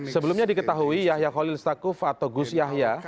sebelumnya diketahui yahya khalil stakuf atau gus yahya